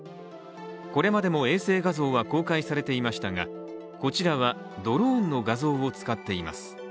これまでも衛星画像は公開されていましたが、こちらはドローンの画像を使っています。